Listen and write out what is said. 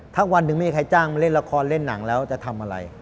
ถ้าวันหนึ่งไม่มีใครจ้างมาเล่นละครเล่นหนังแล้วจะทำอะไร